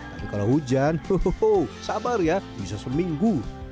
tapi kalau hujan sabar ya bisa seminggu